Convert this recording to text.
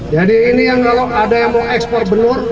jadi ini yang kalau ada yang mau ekspor benur